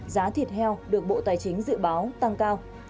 giá thịt heo được bộ tài chính dự báo tăng cao